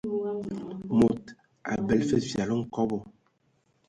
Mod abələ fəg fili nkɔbɔ.